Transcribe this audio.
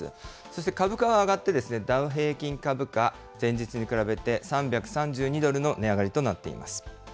そして株価は上がって、ダウ平均株価、前日に比べて３３２ドルの値上がりとなっています。